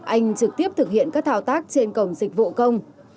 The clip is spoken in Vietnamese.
anh trực tiếp thực hiện các thao tác trên cổng dịch vụ công